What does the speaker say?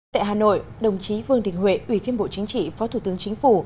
tại hà nội đồng chí vương đình huệ ủy viên bộ chính trị phó thủ tướng chính phủ